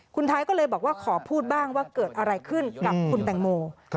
คุณไทยก็เลยบอกว่าขอพูดบ้างว่าเกิดอะไรขึ้นกับคุณแตงโม